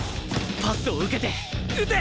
パスを受けて撃て！